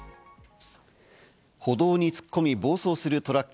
歩道に突っ込み暴走するトラック。